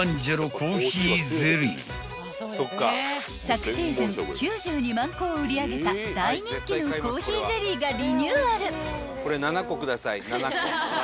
［昨シーズン９２万個を売り上げた大人気のコーヒーゼリーがリニューアル］